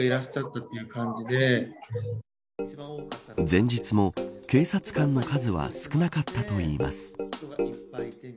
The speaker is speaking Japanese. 前日も警察官の数は少なかったといいます。